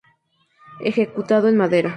Ejecutado en madera.